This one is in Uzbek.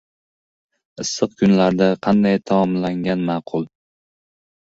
Issiq kunlarda qanday taomlangan ma’qul?